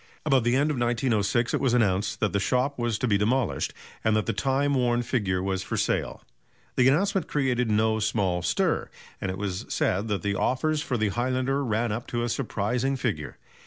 About the end of 1906 it was announced that the shop was to be demolished, and that the time worn figure was for sale. The announcement created no small stir, and it was said that the offers for the highlander ran up to a surprising figure.